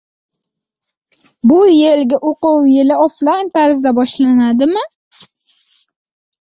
Bu yilgi o‘quv yili oflayn tarzda boshlanadimi?